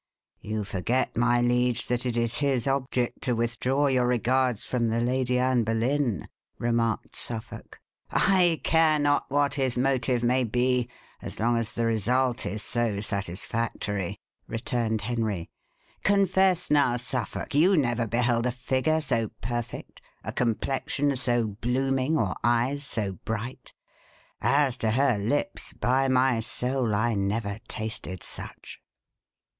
"You forget, my liege, that it is his object to withdraw your regards from the Lady Anne Boleyn," remarked Suffolk. "I care not what his motive may be, as long as the result is so satisfactory," returned Henry. "Confess now, Suffolk, you never beheld a figure so perfect, a complexion so blooming, or eyes so bright. As to her lips, by my soul, I never tasted such."